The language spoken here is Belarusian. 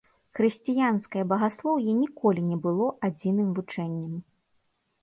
Хрысціянскае багаслоўе ніколі не было адзіным вучэннем.